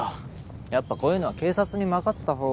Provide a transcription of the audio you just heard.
やっぱこういうのは警察に任せた方が。